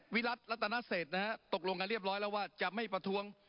วิรัติรัตนเศษนะฮะตกลงกันเรียบร้อยแล้วว่าจะไม่ประท้วง